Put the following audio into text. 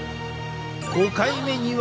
５回目には。